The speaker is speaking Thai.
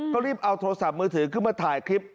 ก็รีบเอาโทรศัพท์มือถือขึ้นมาถ่ายคลิป